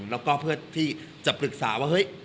และเพื่อที่จะปรึกษาว่า